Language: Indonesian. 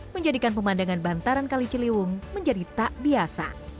menjadikan pemandangan bantaran kaliciliwung menjadi tak biasa